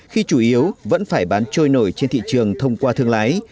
khi chủ yếu vẫn phải bán trôi nổi trên thị trường thông qua thương lái